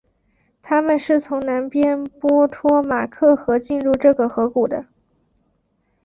他们是从南边波托马克河进入这个河谷的。